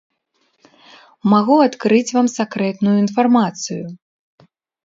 Магу адкрыць вам сакрэтную інфармацыю.